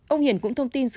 ông hiển cũng thông tin sự